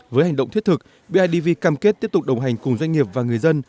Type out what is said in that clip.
với hành động thiết thực bidv cam kết tiếp tục đồng hành cùng doanh nghiệp và người dân